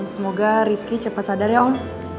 semoga rifki cepat sadar ya om